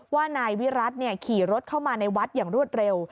ว่านายวิรัติขี่รถเข้ามาในวัดอย่างรวดเร็ว